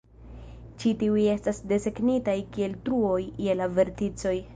Ĉi tiuj estas desegnitaj kiel "truoj" je la verticoj.